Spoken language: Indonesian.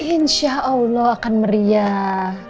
insya allah akan meriah